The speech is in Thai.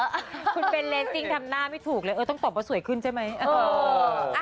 คุณเป็นเลสซิ่งทำหน้าไม่ถูกเลยเออต้องตอบว่าสวยขึ้นใช่ไหม